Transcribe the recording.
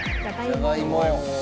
じゃがいも。